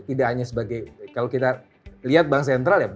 tidak hanya sebagai kalau kita lihat bank sentral ya